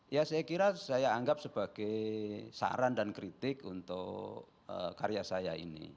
ya saya kira saya anggap sebagai saran dan kritik untuk karya saya ini